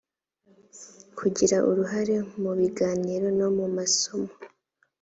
kugira uruhare mu biganiro no mu masomo